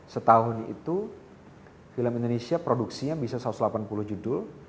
setahun itu film indonesia produksinya bisa satu ratus delapan puluh judul